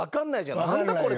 「何だこれ？」